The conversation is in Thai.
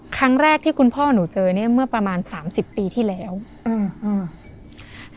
ครั้งแรกที่คุณพ่อหนูเจอเนี้ยเมื่อประมาณสามสิบปีที่แล้วอืม